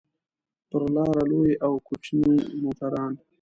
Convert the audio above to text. پر لاره لوی او کوچني موټران.